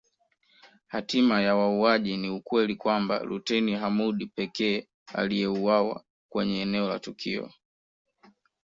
Hatima ya wauaji ni ukweli kwamba luteni Hamoud pekee aliyeuawa kwenye eneo la tukio